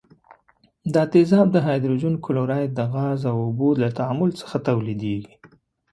دا تیزاب د هایدروجن کلوراید د غاز او اوبو له تعامل څخه تولیدیږي.